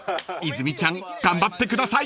［泉ちゃん頑張ってください］